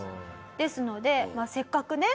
ですのでせっかくね